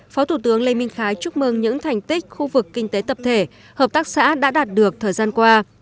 phó thủ tướng lê minh khái chúc mừng những thành tích khu vực kinh tế tập thể hợp tác xã đã đạt được thời gian qua